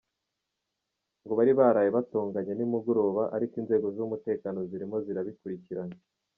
Ngo bari baraye batonganye nimugoroba ariko inzego z’umutekano zirimo zirabikurikirana.